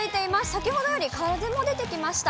先ほどより風も出てきました。